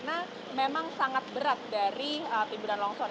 dan yang terdapat di atas